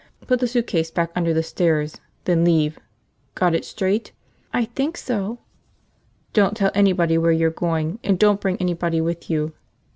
Put the suitcase back under the stairs. Then leave. Got it straight?" "I think so." "Don't tell anybody where you're going and don't bring anybody with you."